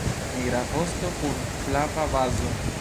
Nigra vosto kun flava bazo.